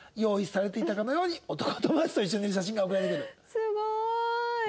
すごーい！